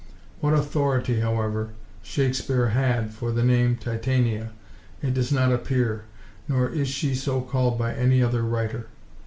What authority, however, Shakespeare had for the name Titania, it does not appear, nor is she so called by any other writer.